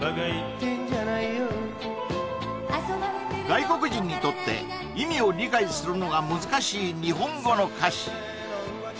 外国人にとって意味を理解するのが難しい日本語の歌詞